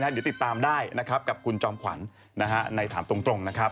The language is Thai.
เดี๋ยวติดตามได้นะครับกับคุณจอมขวัญในถามตรงนะครับ